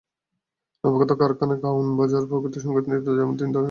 নবাগত কারওয়ান বাজার প্রগতি সংঘ যেমন তিন দিন আগে বিশাল শোভাযাত্রা করেছে।